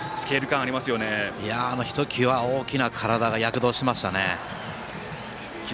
ひときわ大きな体が躍動しましたよね。